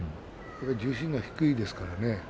重心が低いですからね。